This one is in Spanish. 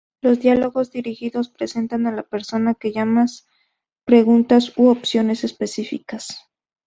Los diálogos dirigidos presentan a la persona que llama preguntas u opciones específicas.